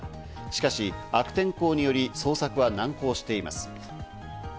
しかし悪天候により捜索は難航しています。